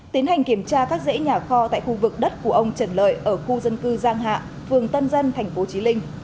tiến hành kiểm tra các dãy nhà kho tại khu vực đất của ông trần lợi ở khu dân cư giang hạ phường tân dân tp chí linh